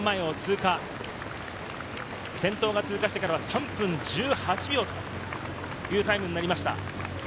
先頭が通過してから３分１８秒というタイムになりました。